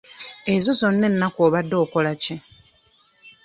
Ezo zonna ennaku obadde okola ki?